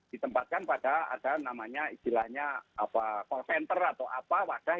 ditempatkan pada ada namanya istilahnya call center atau apa wadah